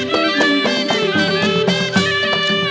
โปรดติดตามต่อไป